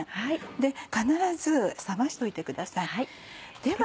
で必ず冷ましておいてください。では。